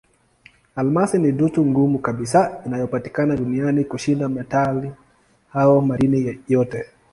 Almasi ni dutu ngumu kabisa inayopatikana duniani kushinda metali au madini yote.